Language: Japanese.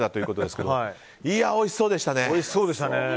いやあ、おいしそうでしたね。